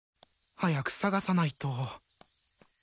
早く捜さないと。